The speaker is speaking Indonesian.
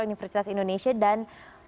universitas indonesia dan